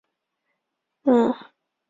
路环图书馆网站